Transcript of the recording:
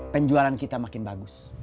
penjualan kita makin bagus